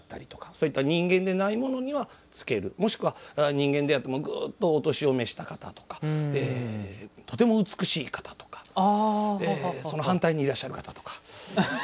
そういった人間でないものにはつけるもしくは人間であってもぐっとお年を召した方とかとても美しい方とかその反対にいらっしゃる方とか。